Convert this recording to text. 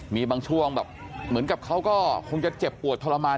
มีบางช่วงแบบเหมือนกับเขาก็คงจะเจ็บปวดทรมาน